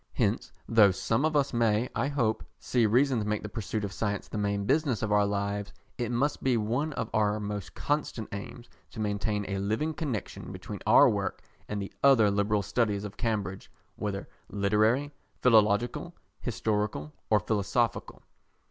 Hence though some of us may, I hope, see reason to make the pursuit of science the main business of our lives, it must be one of our most constant aims to maintain a living connexion between our work and the other liberal studies of Cambridge, whether literary, philological, historical or philosophical.